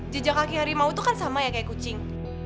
jejak kaki harimau itu kan sama ya kayak kucing